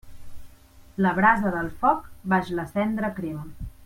La brasa del foc, baix la cendra crema.